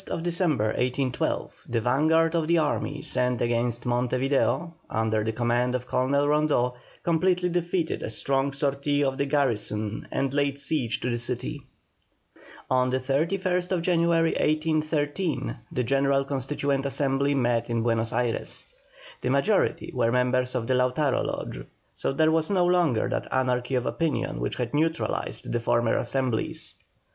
On the 31st December, 1812, the vanguard of the army sent against Monte Video, under the command of Colonel Rondeau, completely defeated a strong sortie of the garrison and laid siege to the city. On the 31st January, 1813, the general Constituent Assembly met in Buenos Ayres. The majority were members of the Lautaro Lodge, so there was no longer that anarchy of opinion which had neutralized the former Assemblies.